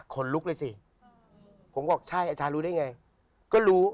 คนลุกเลยสิผมบอกใช่อาจารย์รู้ได้ไงก็รู้